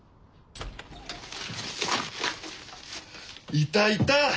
いたいた！